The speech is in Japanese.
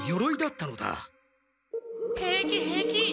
平気平気！